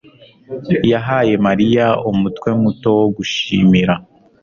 yahaye Mariya umutwe muto wo gushimira.